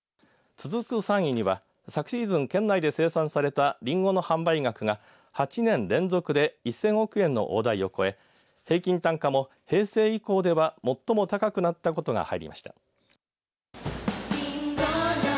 続く３位には昨シーズン県内で生産されたりんごの販売額が８年連続で１０００億円の大台を超え平均単価も、平成以降では最も高くなったことが入りました。